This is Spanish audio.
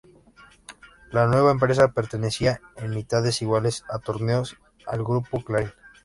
La nueva empresa pertenecía en mitades iguales a Torneos y al Grupo Clarín.